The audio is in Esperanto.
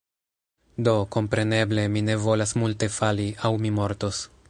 do, kompreneble, mi ne volas multe fali, aŭ mi mortos.